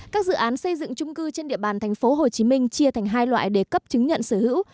các dự án xây dựng trung cư trên địa bàn thành phố hồ chí minh chia thành hai loại để cấp chứng nhận sở hữu